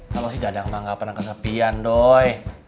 kalau sih dadang mah nggak pernah kesepian doi